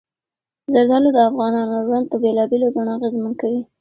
زردالو د افغانانو ژوند په بېلابېلو بڼو اغېزمن کوي.